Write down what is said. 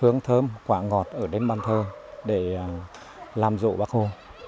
hương thơm quả ngọt ở đến bàn thờ để làm dộ bác hồ